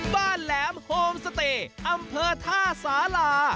แหลมโฮมสเตย์อำเภอท่าสารา